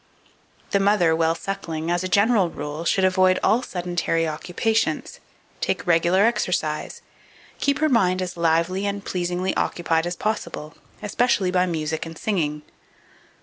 2473. The mother, while suckling, as a general rule, should avoid all sedentary occupations, take regular exercise, keep her mind as lively and pleasingly occupied as possible, especially by music and singing.